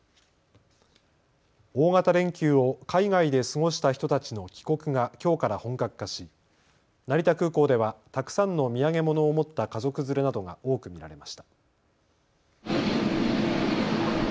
大型連休を海外で過ごした人たちの帰国がきょうから本格化し成田空港ではたくさんの土産物を持った家族連れなどが多く見られました。